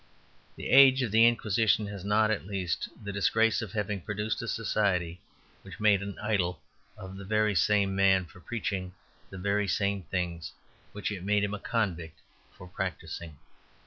The age of the Inquisition has not at least the disgrace of having produced a society which made an idol of the very same man for preaching the very same things which it made him a convict for practising.